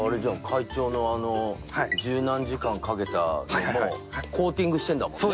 会長の十何時間かけたのもコーティングしてるんだもんね。